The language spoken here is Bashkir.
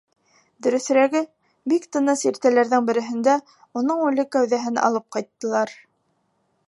Дөрөҫөрәге, бик тыныс иртәләрҙең береһендә уның үле кәүҙәһен алып ҡайттылар...